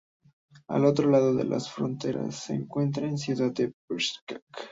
Al otro lado de la frontera se encuentra la ciudad de Vršac.